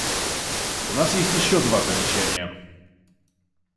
У нас есть еще два замечания.